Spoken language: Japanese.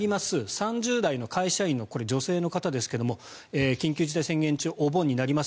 ３０代の会社員のこれは女性の方ですが緊急事態宣言中お盆になります。